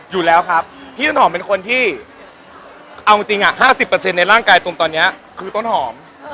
อยู่แล้วครับพี่ต้นหอมเป็นคนที่เอาจริง๕๐ในร่างกายตุมตอนนี้คือต้นหอม